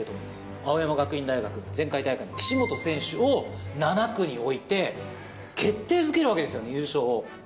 青山学院大学の前回大会の岸本選手を、７区に置いて、決定づけるわけですよ、優勝を。